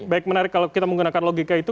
baik menarik kalau kita menggunakan logika itu